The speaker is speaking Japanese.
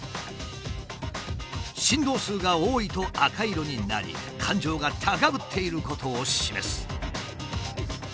振動数が多いと赤色になり感情が高ぶっていることを示す。